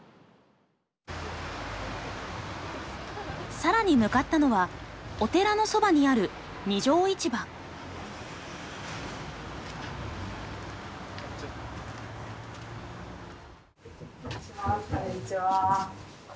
さらに向かったのはお寺のそばにあるこんにちは。